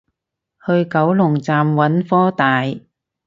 去九龍站揾科大